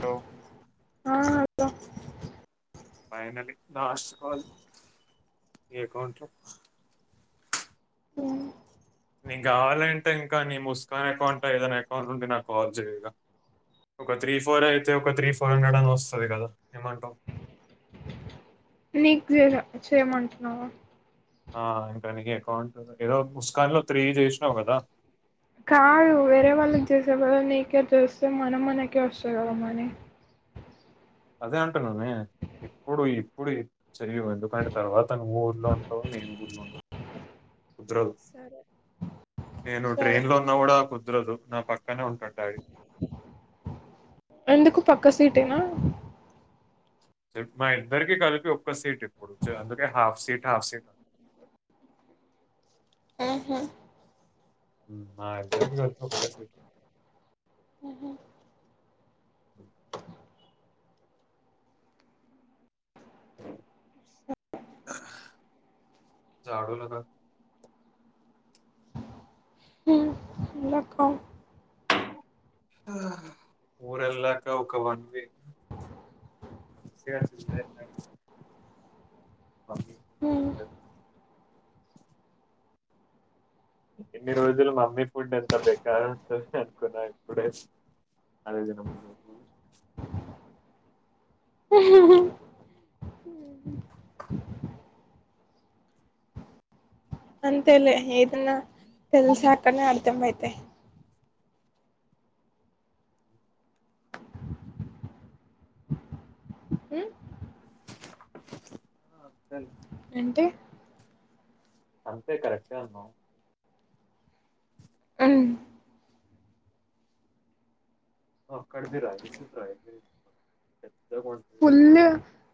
Hello ఆ hello finally last call ఏ అకౌంట్లో నీ కావాలంటే ఇంకా నీ ముస్కాన్ అకౌంట ఏదైనా అకౌంట్ నుండి నాకు కాల్ చేయగా ఒక త్రీ ఫోర్ అయితే ఒక త్రీ ఫోర్ హండ్రెడ్ అని వస్తుంది కదా ఏమంటావ్ నీకు చే చేయమంటున్నావ ఆ ఇంకానికి అకౌంట్ ఏదో ముస్కాన్ లో త్రీ చేసినావు కదా కాదు వేరే వాళ్ళకి చేసేవాళ్ళ నీకే చేస్తే మనం మనకే వస్తది కదా మనీ అదే అంటా ననే ఇప్పుడు ఇప్పుడు చరివు ఎందుకంటే తర్వాత నువ్వు ఊర్లో ఉంటావు నేను ఊర్లో ఉంటావు కుదరదు సరే నేను సరే ట్రైన్ లో ఉన్నా కూడా కుదరదు నా పక్కనే ఉంటాడు డాడీ ఎందుకు పక్క సీట్ యేనా స మా ఇద్దరికి కలిపి ఒక్క సీట్ ఇప్పుడు స అందుకే హాఫ్ సీట్ హాఫ్ సీట్ ఆహా మా ఇద్దరికి కలిపి ఒకటే సీట్ చల్లగాద రకు ఊరల్లాకా ఒక వన్ వీక్ ఎన్ని రోజులు మమ్మీ ఫుడ్ ఎంత బెకార్ ఉంటుంది అనుకున్నా ఇప్పుడే ఆదన [unintelligible] అంతలే ఏదన్నా తెల్సాకనే అర్తమయితాయి హమ్ ఆ చల్ ఏంటి అంతే కరెక్టే అన్నా అ అక్కడ మీ రాసి రా ఫుల్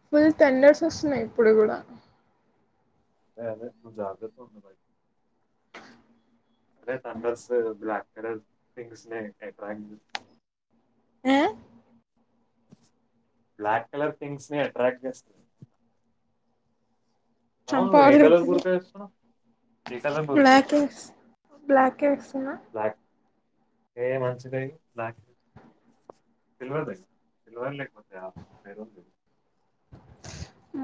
ఫుల్ టెండర్స్ వస్తున్నాయి ఇప్పుడు కూడా సరే జాగ్రత్త ఉండు మరి అదే తండర్స్ బ్లాక్ క థింగ్స్ అట్రాక్ట్ ఆ బ్లాక్ కలర్ థింగ్స్ నీ అట్రాక్ట్ చేస్తారు చంప కలర్ పగులుతుంది గురక వేస్తున్నావు ఏ కలర్ గురక బ్లాక్ వేస్తున్నావు ఎస్ బ్లాక్ ఎస్ బ్లాక్ ఏ మంచిద బ్లాక్ సిల్వర్ దగ్గ సిల్వర్ లేకపోతేయా మీరుంది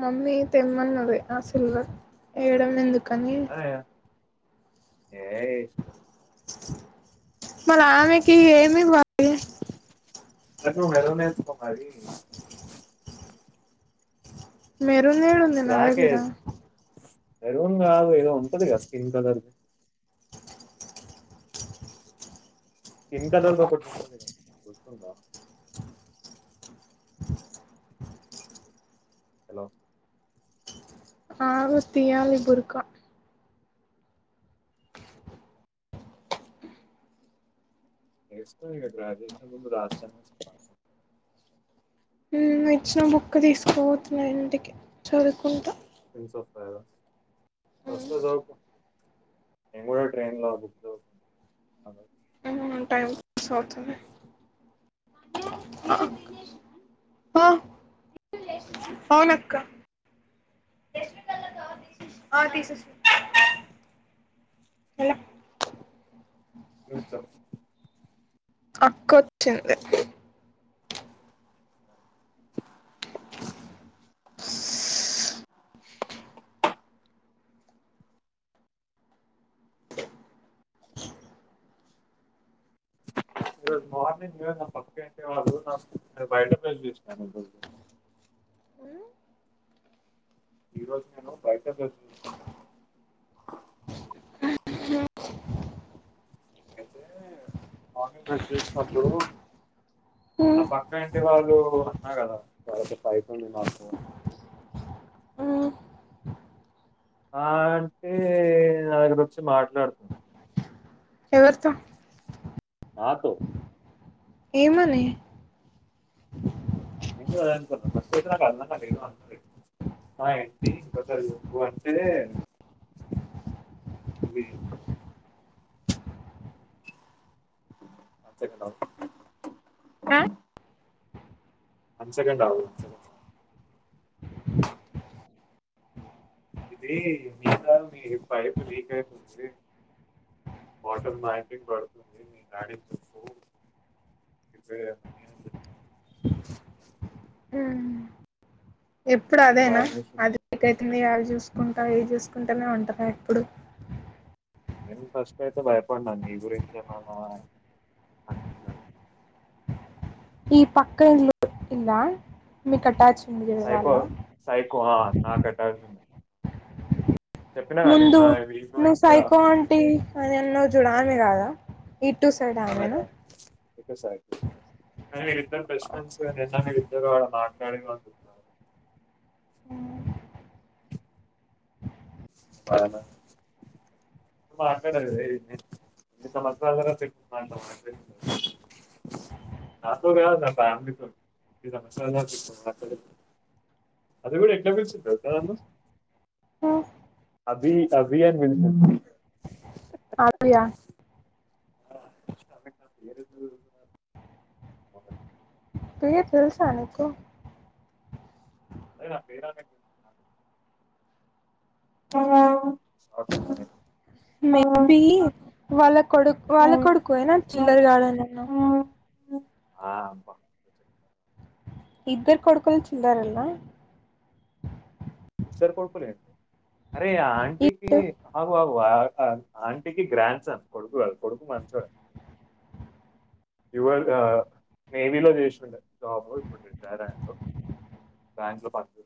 మమ్మీ తెమ్మన్నది ఆసల్ ఏడంమ ఎందు కానీ ఏయ్ మళ్ళ ఆమెకీ ఏమివ్వాలి ఆ నువ్వు మెరూన్ వేసుకో మరీ మీ రన్ ఏడా ఉంది నా బ్లాక్ ఏ దగ్గర మెరూన్ కాదు ఏదో ఉంటదిగా స్కిన్ కలర్ స్కిన్ కలర్ ది ఒకటి ఉంటుంది కదా గుర్తుందా హలో అగు తీయాలి బరుక ఏసుకో ఇగ [unintelligible] హు ఇచ్చిన బుక్ తీసుకుపోతున్నా ఇంటికి చదువుకుంటా ప్రిన్స్ ఆఫ్ పారస్ బస్ లో చదువుకో నేను కూడా ట్రైన్ లో బుక్ చదువు టైం అవుతుంది ఆ. హలో చ అక్క వచ్చింది స్ ఈరోజు మార్నింగ్ నా పక్కింటి వాళ్ళు నా నేను బయటికి వచ్చి చూసాను ఈ రోజు నేను బయటికి వచ్చి అయితే మార్నింగ్ బ్రష్ చేసేటప్పుడు నా పక్క ఇంటి వాళ్ళు అన్నా కదా వాళ్ళు పైపోండి మాత్రం అ ఆ అంటే నా దగ్గరికి వచ్చి మాట్లాడు ఎవరితో ఆటో ఏమని నేను అదే అనుకున్నా ఫస్ట్ అయితే నాకు అర్థం కాలే నాకు ఏద అన్నా నా ఏంటి ఇంకోసారి అంటే ఇది చెప్తా పచ్చ గడ్డి ఆవు ఇది మీకా మీ పైప్ లీక్ అయితుంది వాటర్ మార్పింగ్ పడుతుంది మీ గాడి తప్పుపేని ఉమ్ ఎప్పుడు చెప్పాను అదేనా భయం వేసింది అది లీక్ అవుతుంది కాల్ చూసుకుంటా ఏచూసుకుంటేనే ఉంటార ఎప్పుడు ఏం ఫస్ట్ అయితే భయపడిడాను నీ గురించేమనా అనుకున్నాను ఈ పక్కఇల్లు ఇలా మీక్ అటాచ్ ఉంది చూడు సైకో వాళ్ళ సైకో ఆ నాటకాలు ముందు నిన్న వీళ్ళు ను ఇంకా సైకో అంటి ఆ నిన్ను చూడాలని కాదా ఇటు సైడ్ ఆమెనా కసై [unintelligible] అయినా మీరు ఇద్దరు బెస్ట్ ఫ్రెండ్స్ కదా విన్నా నేను జుగ వాడు మాట్లాడిన [unintelligible] ఉ అయినా మాటాడండి ఇన్ని సంవత్సరాలు తర్వాత ఇప్పుడు [inaudible] నాతో కాదు నా ఫ్యామిలీతోని సంవత్సరాలు మాట్లాడ అది కూడా ఎట్లా పిలిచిద్ది తెలుసా నన్ను ఆ అభి అభి అని పిలిచింది అవ్యా ఆ అ పేరు అ ఆ ప్రియ తెల్సా నీకు అరే నా పేరు రాట్లే అయిపోయింది. మేబీ వాళ్ళ కొడుకు వాళ్ళ కొడుకేనా చిల్లర్ గాడు అని అన్నవ్ ఆ అబ్బా [inaudible] ఇద్దరు కొడుకులు చిల్లరోల్లా ఇద్దరు కొడుకులే ఆండి అరే ఆ ఆంటీకి బాబు [unintelligible] వా ఆ ఆంటీకి గ్రాండ్ సన్ కొడుకు గాదు కొడుకు మంచోడే యు ఎల్ ఇ నేవీలో చేసిండు జాబ్ ఇప్పుడు రిటైర్ అయ్యిండు బ్యాంక్ లో పనిచే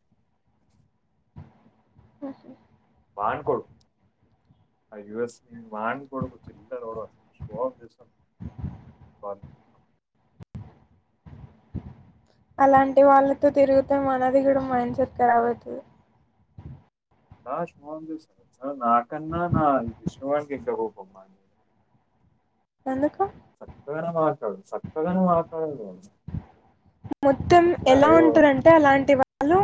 ఆహా వాన్కోడు ఆ యు ఎస్ ని మాన్కోడుకు చిల్లరోడు వాడు ఫోన్ చేస్త [inaudible] అలాంటి వాళ్ళతో తిరుగితే మనది కూడా మైండ్ సెట్ ఖరాబ్ అయితది లాస్ట్ ఫోన్ చేశారా నాకన్నా నా [unintelligible] ష్ వానికెక్కడ కోపం నా మీద ఎందుకు వేరే మాటాడు మొత్తం చెప్పినా ఎలా ఏదో ఉంటరంటే అలాంటి వాళ్ళు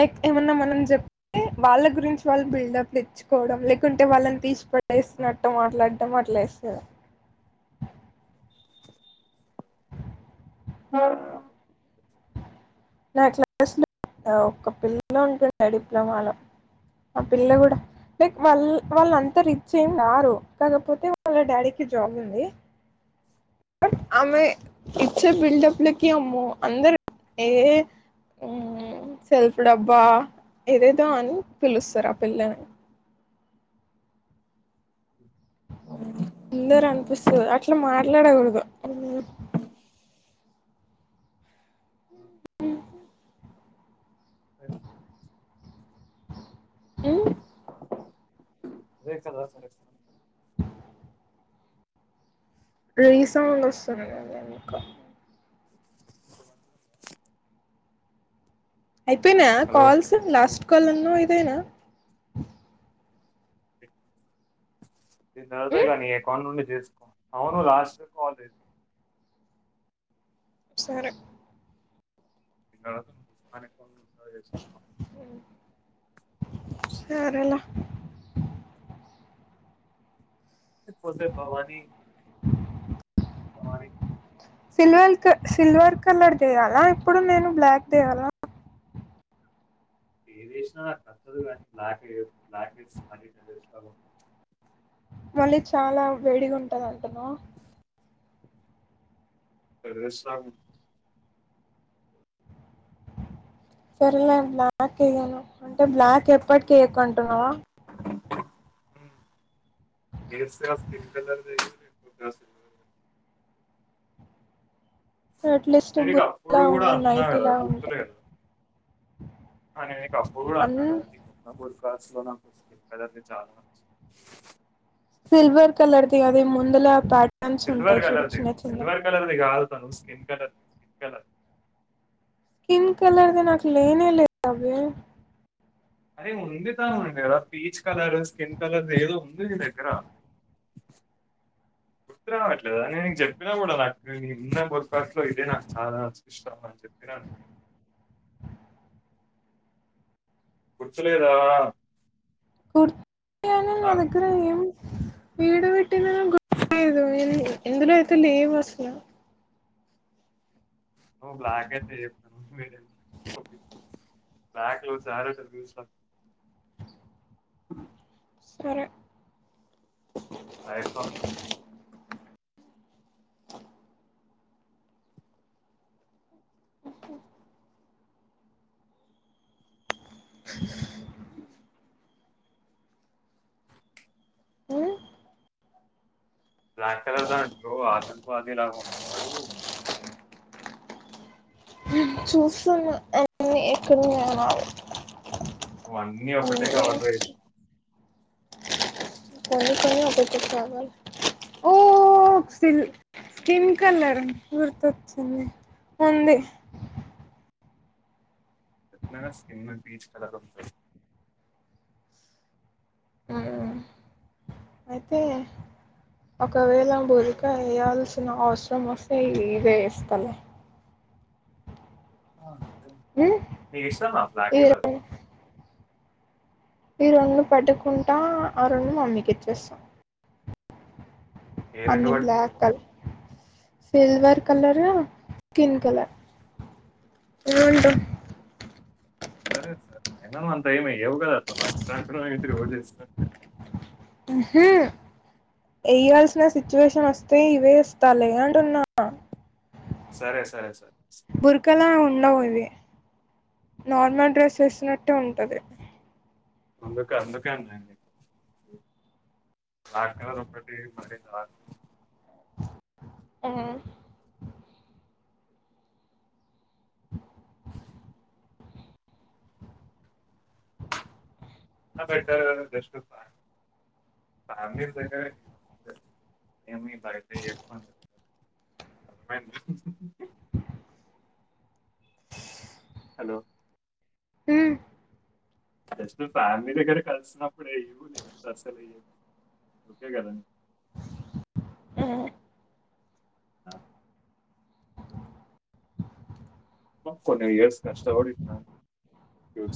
లైక్ ఏమన్నా మనం చెప్తే వాళ్ళ గురించి వాళ్ళు బిల్డప్ లిచ్చుకోవడం లేకుంటే వాళ్ళని తీసి ప [unintelligible] హ్మ్. డేసినట్టు మాట్లాడు టమట్లేస్తారా ఆ నా క్లాస్ లో ఒక పిల్ల ఉంటుండే డిప్లొమాలో ఆ పిల్ల కూడా లైక్ వల్ వళ్ళంత్ అంత రిచ్ ఏం కారు కాకపోతే వాళ్ళ డాడీకి జాబ్ ఉంది బట్ ఆమె ఇచ్చే బిల్డప్లకి అమ్మో అందరు ఏ సెల్ఫ్ డబ్బా ఏదేదో అని పిలుస్తారు ఆ పిల్లని అందరు అనిపిస్తున్నర్ అట్లా మా ఇలాగ ఉండదు అ ఉమ్ అ ఉమ్ అదే కదా రీసౌండ్ వస్తుందండి ఎందుకో అయిపొయినా హలో కాల్స్ లాస్ట్ కలన్నవ్ ఇదేనా [inaudible] నాదేగా నీ అకౌంట్ నుండి చేసుకో అవును లాస్ట్ కాల్ లేదు సరే ఇంకా అనకు వదిలేసుకుందాం సరేలా ఇటు పోతే భవాని [inaudible] భవాని సిల్వంకు సిల్వర్ కలర్ చేయాలా ఇప్పుడు నేను బ్లాక్ తేయ్యాల ఏం చేసినా కల్తది కానీ బ్లాక్ చెయ్యొద్దు బ్లాక్స్ చేస్తే మ మళ్ళీ చాలా వేడిగా ఉంటదాంటన థెర్సామ్ సరేలే అన్న బ్లాక్ కేయను అంటే బ్లాక్ ఎప్పటి కేయ క్ అంటున్నావ ఉమ్ డ్రెస్సెస్ స్కన్ కలర్ అట్లీస్ట్ నేను నీకు బుర్కాల అప్పుడు కూడా ఉండవు అన్నా నైటిలా ఉంటాయి అ నైనిక స్కూలు కూడా అన్ ఉన్న కద ఇంటికి పో నాకు వర్క్ రాసుకోన లేదంటే చాల మంది ముందుల పా సిల్వర్ కలర్ది సిల్వర్ కలర్దిగాదు తను skin colour skin colour skin colour ది నాకు లేనే లేదబే అరే ఉంది తాను ఉంది కదా పీచ్ కలర్ స్కిన్ కలర్ ఏదో ఉంది నీ దగ్గర గుర్తు రావట్లేదా నేను నీకు జె ప్పినా కూడా నాకు ఉన్న బుర్కాాస్ లో ఇదే నాకు చాలా ఇష్టం అని చెప్పినా గుర్తులేదా గుర్తుంది గాని నాకు నాదగారేంవుంది వీడ వెటింనానో గుర్తు లేదు ఎందులో అయితే లేవు అస్సల ఓ బ్లాక్ అయితే చెప్పాను మీ బ్లాక్ లో సారీ ఓ సారి చూసాను [inaudible] సరే బైక్ పంప్ [inaudible] హ్మ్ హు [unintelligible] బ్లాక్ కలర్ దాంట్లో అగంతవాసి ఉంటవ్ ఉ చూసాను అన్నీ ఎక్కడ ఉన్నమోని నువు అన్నీ ఒకటే కావార్లో ఏసినావు కొన్ని కొన్ని ఒకటి కవరు ఓ స్కిల్ స్కిన్ కలర్ గుర్తొచ్చింది ఉంది చెప్పిన గా స్కిన్ బీచ్ కలర్ ఉంటది మ్మ్ అయితే ఒకవేళ బురుక వేయాల్సి సినా అవసరం వస్తే ఇదే ఏస్తలే ఆ ఇది నీకు ఇష్టమా బ్లాక్ కలర్ ఈ రొండు పట్డుకుంటా ఆ రెండు మమ్మీకి ఇచ్చేస్తా ఏ రెండు అన్ని పట్టుకుంటావు బ్లాక్ కల్ silver colour skin colour gold సరే సా ఎలానో అంత ఏం ఎయ్యవ్ కద నా ఇలా రోజు ఎస్ హ్మ్ హు వయ్యవలసిన సిచువేషన్ వస్ వస్తే ఇవే ఇస్తాలే అంటున్నా సరే సరే సరే సరే. బురకలా ఉండవు అవి నార్మల్ డ్రెస్ వేసినట్టే ఉంటది అందుకే అందుకేండి ఆక్కల ఒక ఒకటి మరీ రా హ్మ్ హు ఇంగ బెటర్ కదండి బెస్ట్ అన్ని బెటర్ ఏ నాకైతే [unintelligible] [unintelligible] హలో మ్మ్ ఆ జస్ట్ ఫ్యామిలీ దగ్గర కలిసినప్పుడేవు లేకుపోతే అసలు ఇయవు ఓకే కదండి ఆ కొన్ని ఇయర్స్ కష్ట పడి